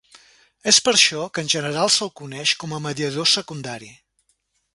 És per això que en general se'l coneix com a mediador secundari.